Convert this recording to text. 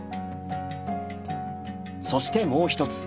そしてもう一つ。